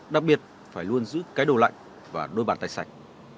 đặc biệt phải luôn giữ cái đồ lạnh và đôi bàn tay sạch